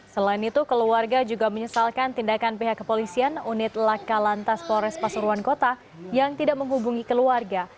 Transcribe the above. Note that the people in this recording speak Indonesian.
selain itu keluarga juga menyesalkan tindakan pihak kepolisian unit laka lantas polres pasuruan kota yang tidak menghubungi keluarga